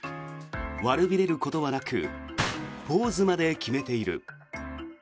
悪びれることはなくポーズまで決めている。